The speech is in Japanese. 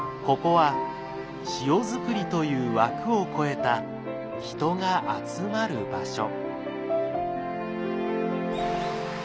ここは塩づくりという枠を超えた人が集まる場所。